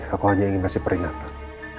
aku hanya ingin ngasih peringatan